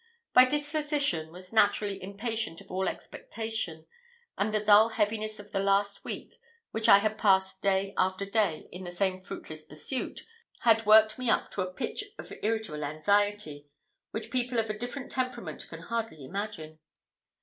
My disposition was naturally impatient of all expectation, and the dull heaviness of the last week, which I had passed day after day in the same fruitless pursuit, had worked me up to a pitch of irritable anxiety, which people of a different temperament can hardly imagine.